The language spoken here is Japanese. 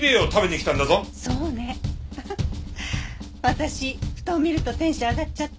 私布団を見るとテンション上がっちゃって。